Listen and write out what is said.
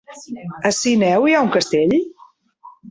A Sineu hi ha un castell?